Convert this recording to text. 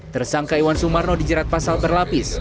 tersangka iwan sumarno dijerat pasal berlapis